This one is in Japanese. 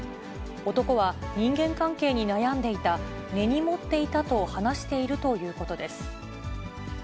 男は、人間関係に悩んでいた、根に持っていたと話しているということです。